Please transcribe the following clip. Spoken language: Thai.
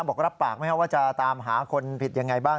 บอกรับปากไหมครับว่าจะตามหาคนผิดยังไงบ้าง